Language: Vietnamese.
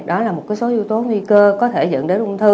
đó là một số yếu tố nguy cơ có thể dẫn đến ung thư